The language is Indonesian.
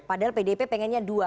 padahal pdip pengennya dua